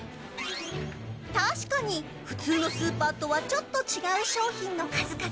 確かに、普通のスーパーとはちょっと違う商品の数々。